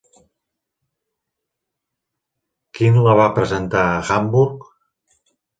Quin la va presentar a Hamburg?